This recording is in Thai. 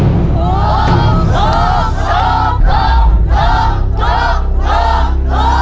ถูกถูกถูกถูกถูกถูกถูก